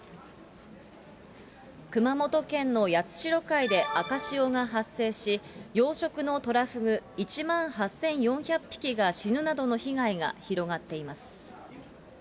熊本県の八代海で赤潮が発生し、養殖のトラフグ１万８４００匹が死ぬなどの被害が広がっています。